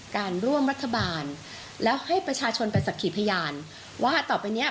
การร่วมรัฐบาลแล้วให้ประชาชนไปสักขีพยานว่าต่อไปเนี้ย